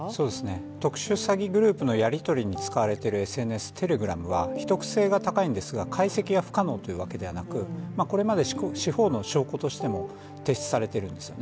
特殊詐欺グループのやりとりに使われているＳＮＳ、Ｔｅｌｅｇｒａｍは秘匿性が高いんですが、解析が不可能というわけではなくこれまで司法の証拠としても提出されているんですよね。